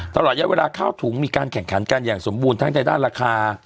ตลอดเยอะเวลาข้าวถุงมีการแข่งขันกันอย่างสมบูรณ์ทั้งในด้านราคา